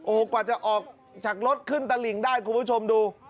กว่าจะออกจากรถขึ้นตะหลิงได้คุณผู้ชมดู